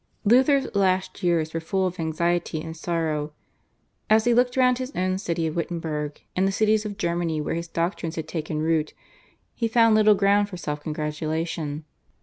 Luther's last years were full of anxiety and sorrow. As he looked round his own city of Wittenberg and the cities of Germany where his doctrines had taken root he found little ground for self congratulation.